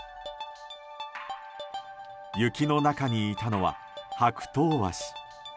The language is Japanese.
雪の中にいたのはハクトウワシ。